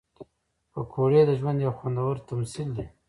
پکورې د ژوند یو خوندور تمثیل دی